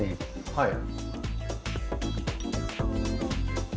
はい。